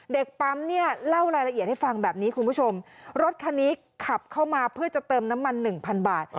เด็กปั๊มเนี่ยเล่ารายละเอียดให้ฟังแบบนี้คุณผู้ชมรถคันนี้ขับเข้ามาเพื่อจะเติมน้ำมันหนึ่งพันบาท